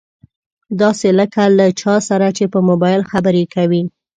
داسې لکه له چا سره چې په مبايل خبرې کوي.